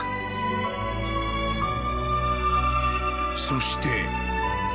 ［そして］